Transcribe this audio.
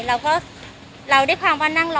เราก็เราด้วยความว่านั่งรอ